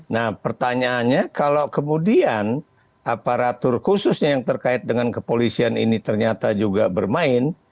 nah pertanyaannya kalau kemudian aparatur khususnya yang terkait dengan kepolisian ini ternyata juga bermain